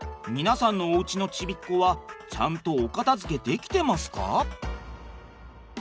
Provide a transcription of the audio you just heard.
皆さんのおうちのちびっこはちゃんとお片づけできてますか？